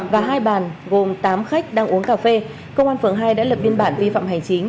và hai bàn gồm tám khách đang uống cà phê công an phường hai đã lập biên bản vi phạm hành chính